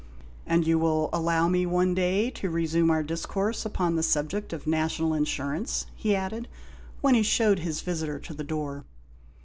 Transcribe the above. " And you will allow me one day to resume our discourse upon the subject of National Insurance," he added, when he shewed his visitor to the door.